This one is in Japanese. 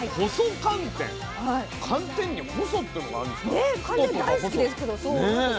寒天大好きですけど。